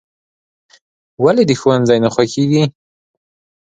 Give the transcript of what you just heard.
"ولې دې ښوونځی نه خوښېږي؟"